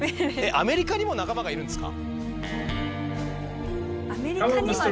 アメリカにも仲間がいるんですか？